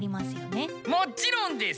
もちろんです！